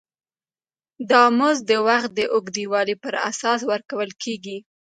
دا مزد د وخت د اوږدوالي پر اساس ورکول کېږي